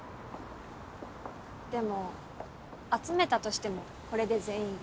でも集めたとしてもこれで全員です。